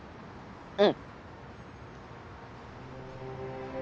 うん。